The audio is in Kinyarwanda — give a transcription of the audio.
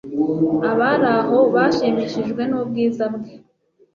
Abari aho bashimishijwe nubwiza bwe